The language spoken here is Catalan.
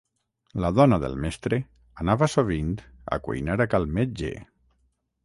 La dona del mestre, anava sovint a cuinar a cal metge.